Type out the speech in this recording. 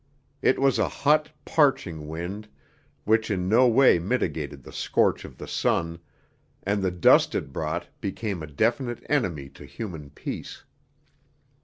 It was a hot, parching wind, which in no way mitigated the scorch of the sun, and the dust it brought became a definite enemy to human peace.